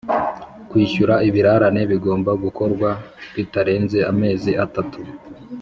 Kwishyura ibirarane bigomba gukorwa bitarenze amezi atatu